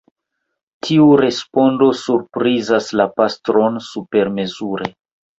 Tiu respondo surprizas la pastron supermezure.